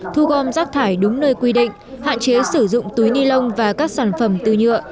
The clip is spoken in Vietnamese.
thu gom rác thải đúng nơi quy định hạn chế sử dụng túi ni lông và các sản phẩm từ nhựa